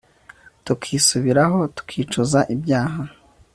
tukisubiraho tukicuza ibyaha